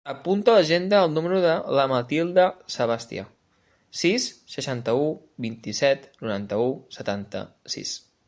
Apunta a l'agenda el número de la Matilda Sebastia: sis, seixanta-u, vint-i-set, noranta-u, setanta-sis.